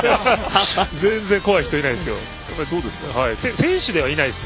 全然、怖い人はいないですよ。